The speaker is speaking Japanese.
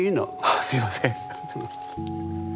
あっすいません。